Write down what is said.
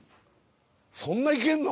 そんないけんの？